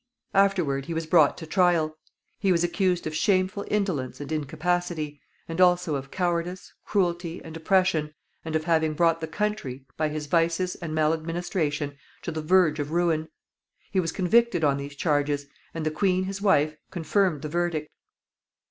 Afterward he was brought to trial. He was accused of shameful indolence and incapacity, and also of cowardice, cruelty, and oppression, and of having brought the country, by his vices and maladministration, to the verge of ruin. He was convicted on these charges, and the queen, his wife, confirmed the verdict.